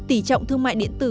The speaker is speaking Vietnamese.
tỉ trọng thương mại điện tử